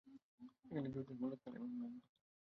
এখানে জোর যার মুল্লুক তার, নামো, এইখান থেইক্কা।